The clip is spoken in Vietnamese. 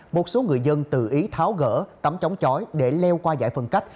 một số người dân tự ý tháo gỡ tắm chống chói để leo qua giải phân cách